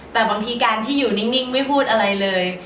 แต่บางทีการที่อยู่นิ่งไม่พูดอะไรเลย